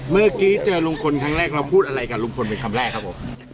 เมื่อกี้เจอลุงพลครั้งแรกเราพูดอะไรกับลุงพลเป็นคำแรกครับผม